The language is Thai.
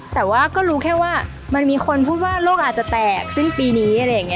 แต่ว่าก็รู้แค่ว่ามีคนพูดว่าโรคอาจจะแตกซึ่งปีนี้